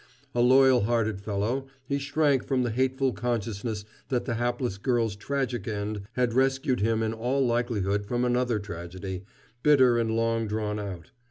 A loyal hearted fellow, he shrank from the hateful consciousness that the hapless girl's tragic end had rescued him in all likelihood from another tragedy, bitter and long drawn out.